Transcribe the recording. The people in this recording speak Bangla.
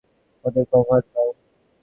ওদের কভার দাও!